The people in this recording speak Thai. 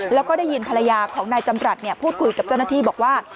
แล้วก็ได้ยินภรรยาของนายจำรัฐพูดคุยกับเจ้าหน้าที่บอกว่า